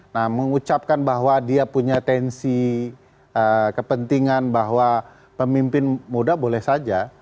nah mengucapkan bahwa dia punya tensi kepentingan bahwa pemimpin muda boleh saja